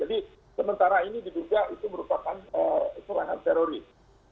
jadi sementara ini diduga itu merupakan serangan teroris